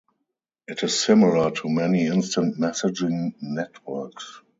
It is similar to many instant messaging networks.